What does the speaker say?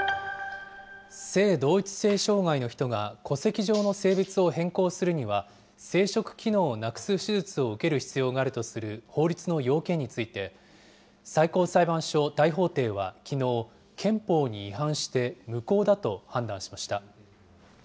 性同一性障害の人が、戸籍上の性別を変更するには、生殖機能をなくす手術を受ける必要があるとする法律の要件について、最高裁判所大法廷はきのう、憲法に違反して無効だと判断しました。